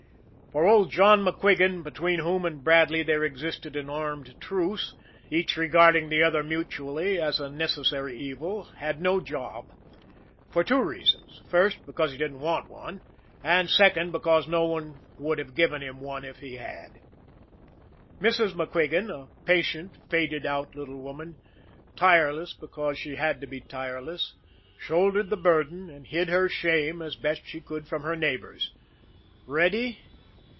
For old John MacQuigan, between whom and Bradley there existed an armed truce, each regarding the other mutually as a necessary evil, had no job for two reasons: first, because he didn't want one; and, second, because no one would have given him one if he had. Mrs. MacQuigan, a patient, faded out little woman, tireless because she had to be tireless, shouldered the burden, and hid her shame as best she could from her neighbors. Reddy?